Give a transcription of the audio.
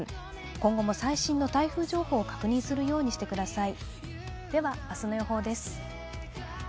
今後も最新の台風情報を確認するようにしてください。